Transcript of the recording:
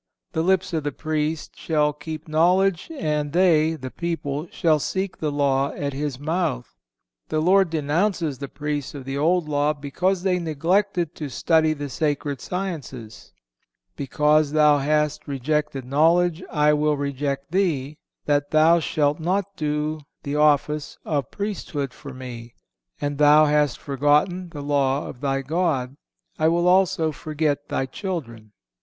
"The lips of the Priest shall keep knowledge, and they (the people) shall seek the law at his mouth."(511) The Lord denounces the Priests of the Old Law because they neglected to study the Sacred Sciences: "Because thou hast rejected knowledge, I will reject thee, that thou shalt not do the office of priesthood for Me, and thou hast forgotten the law of thy God, I will also forget thy children."